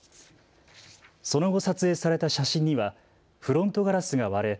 その後、撮影された写真にはフロントガラスが割れ